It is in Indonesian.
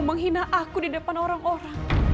menghina aku di depan orang orang